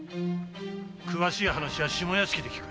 詳しい話は下屋敷で聞く。